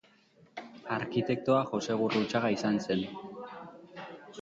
Arkitektoa Jose Gurrutxaga izan zen.